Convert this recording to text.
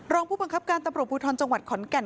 รองผู้บังคับการตำรวจภูทรจังหวัดขอนแก่น